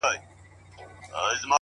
تا د ورځي زه د ځان كړمه جانـانـه!!